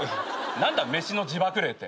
何だ飯の地縛霊って。